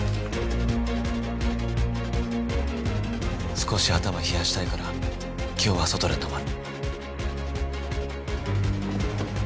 「少し頭冷やしたいから今日は外で泊まる」。